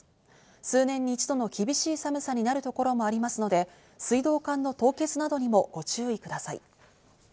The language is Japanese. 数年に一度の厳しい寒さになるところもありますので、水道管の凍結などにもご注意ください。